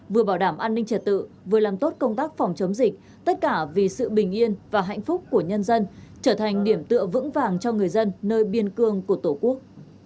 vừa bảo đảm an ninh trật tự vừa làm tốt công tác phòng chống dịch tất cả vì sự bình yên và hạnh phúc của nhân dân trở thành điểm tựa vững vàng cho người dân nơi biên cương của tổ quốc